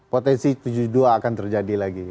potensi tujuh puluh dua akan terjadi lagi